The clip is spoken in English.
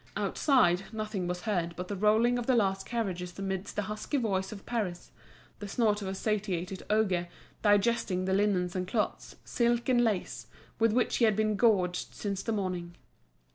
Outside nothing was heard but the rolling of the last carriages amidst the husky voice of Paris, the snort of a satiated ogre digesting the linens and cloths, silks and lace, with which he had been gorged since the morning.